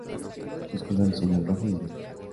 Sus colores son el rojo y el verde.